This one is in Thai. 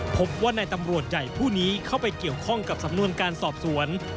พบว่าในตำรวจใหญ่ผู้นี้เข้าไปเกี่ยวข้องกับสำนวนการสอบสวน